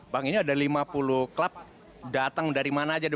bang ini ada lima puluh klub datang dari mana aja